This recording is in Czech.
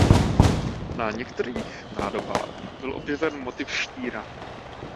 Na některých nádobách byl objeven motiv štíra.